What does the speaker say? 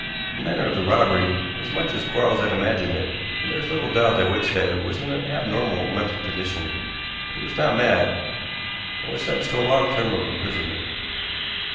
The manner of the robbery was much as Quarles had imagined it, and there is little doubt that Wickstead was in an abnormal mental condition. But he was not mad, and was sentenced to a long term of imprisonment.